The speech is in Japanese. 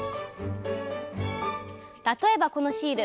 例えばこのシール。